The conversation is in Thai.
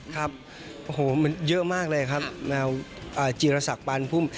ครับโอ้โหมันเยอะมากเลยครับแมวจีรศักดิ์ปานพุ่ม